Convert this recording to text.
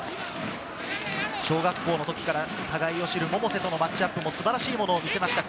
小学校の時から互いを知る百瀬とのマッチアップも素晴らしいものを見せました